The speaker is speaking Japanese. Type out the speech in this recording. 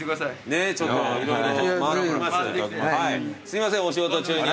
すいませんお仕事中に。